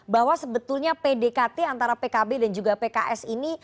bahwa sebetulnya pdkt antara pkb dan juga pks ini